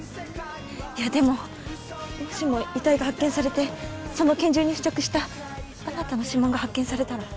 いやでももしも遺体が発見されてその拳銃に付着したあなたの指紋が発見されたら。